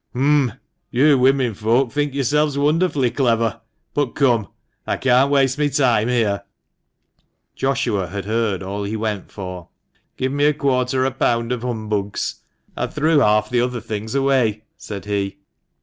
" Um ! You women folk think yourselves wonderfully clever. But come, I can't waste my time here. (Joshua had heard all he went for.) Give me quarter a pound of humbugs ; I threw half the other things away," said he.